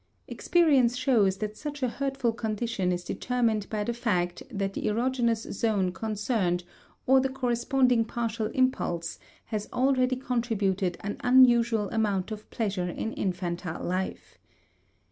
Experience shows that such a hurtful condition is determined by the fact that the erogenous zone concerned or the corresponding partial impulse has already contributed an unusual amount of pleasure in infantile life.